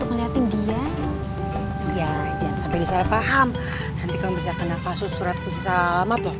ngeliatin dia ya jangan sampai disalah paham nanti kamu bisa kenal pasu suratku selamat loh